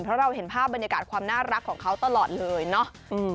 เพราะเราเห็นภาพบรรยากาศความน่ารักของเขาตลอดเลยเนาะ